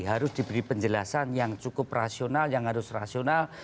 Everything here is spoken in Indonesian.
harus diberi penjelasan yang cukup rasional yang harus rasional